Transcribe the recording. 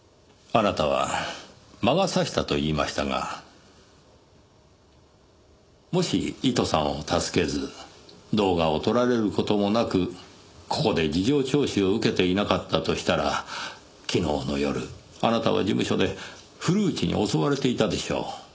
あなたは魔が差したと言いましたがもしイトさんを助けず動画を撮られる事もなくここで事情聴取を受けていなかったとしたら昨日の夜あなたは事務所で古内に襲われていたでしょう。